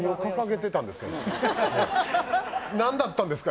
なんだったんですか？